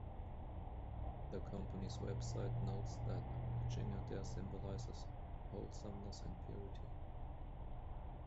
The company's Web site notes that Virginia Dare symbolizes "wholesomeness and purity".